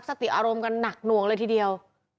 สติอารมณ์กันหนักหน่วงเลยทีเดียว